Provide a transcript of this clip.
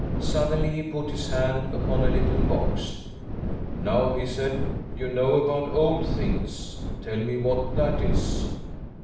Suddenly he put his hand upon a little box. 'Now,' he said, 'you know about old things; tell me what that is.'